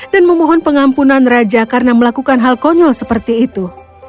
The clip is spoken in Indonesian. dan memohon pengampunan raja karena melakukan hal konyol seperti itu